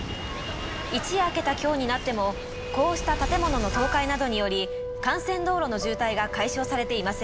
一夜明けた今日になってもこうした建物の倒壊などにより幹線道路の渋滞が解消されていません。